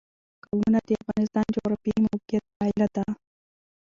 قومونه د افغانستان د جغرافیایي موقیعت پایله ده.